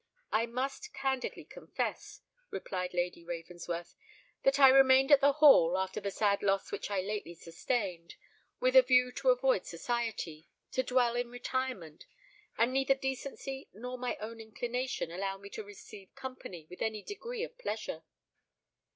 "I must candidly confess," replied Lady Ravensworth, "that I remained at the Hall, after the sad loss which I lately sustained, with a view to avoid society—to dwell in retirement;—and neither decency nor my own inclination allow me to receive company with any degree of pleasure."